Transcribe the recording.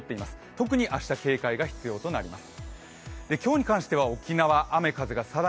特に明日、警戒が必要となります。